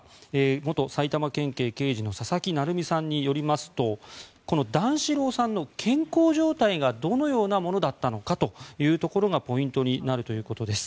元埼玉県警刑事の佐々木成三さんによりますと段四郎さんの健康状態がどのようなものだったのかというところがポイントになるということです。